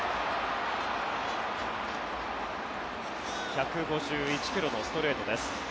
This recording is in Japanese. １５１ｋｍのストレートです。